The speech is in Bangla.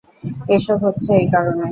এসব হচ্ছে এই কারণে।